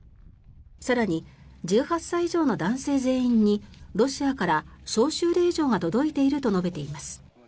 更に、１８歳以上の男性全員にロシアから招集令状が届いていると述べています。